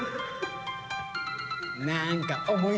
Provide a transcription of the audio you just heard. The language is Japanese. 何か。